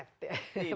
tidak biar pet